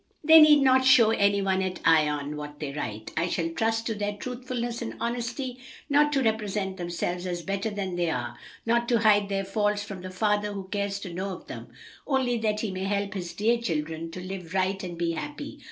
"They need not show any one at Ion what they write. I shall trust to their truthfulness and honesty not to represent themselves as better than they are, not to hide their faults from the father who cares to know of them, only that he may help his dear children to live right and be happy.